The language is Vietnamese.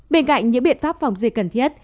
bên cạnh những biện pháp phòng giấy cần thiết